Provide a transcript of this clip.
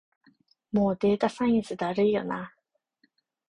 もうデータサイエンスだるいよな